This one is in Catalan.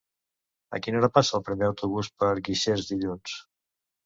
A quina hora passa el primer autobús per Guixers dilluns?